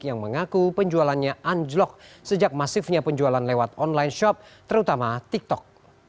yang mengaku penjualannya anjlok sejak masifnya penjualan lewat online shop terutama tiktok